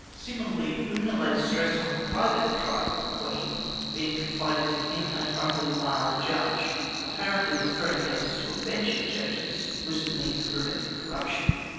Similarly, Una lays stress on the private trial of the queen being confided to him and only one other judge. Apparently, referring cases to a bench of judges was the means of preventing corruption.